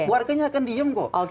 warkanya akan diem kok